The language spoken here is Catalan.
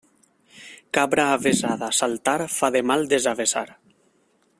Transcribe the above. Cabra avesada a saltar fa de mal desavesar.